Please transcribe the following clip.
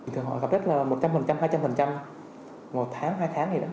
thường họ gặp rất là một trăm linh hai trăm linh một tháng hai tháng gì đó